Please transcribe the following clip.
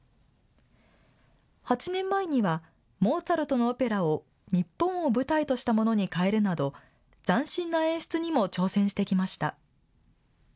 ８年前にはモーツァルトのオペラを日本を舞台としたものに変えるなど斬新な演出にも挑戦してきました。